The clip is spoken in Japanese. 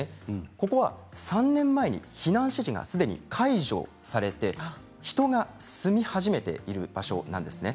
ここは３年前に避難指示がすでに解除されて人が住み始めている場所なんです。